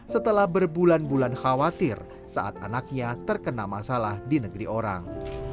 setelah berbulan bulan khawatir saat anaknya terkena masalah di negeri orang